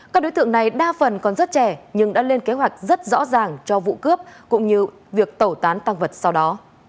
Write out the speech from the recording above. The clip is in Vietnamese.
các đối tượng này đa phần còn rất trẻ nhưng đã lên kế hoạch rất rõ ràng cho vụ cướp cũng như việc tẩu tán tăng vật sau đó